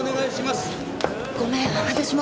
ごめん私も。